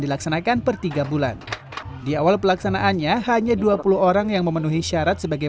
dilaksanakan per tiga bulan di awal pelaksanaannya hanya dua puluh orang yang memenuhi syarat sebagai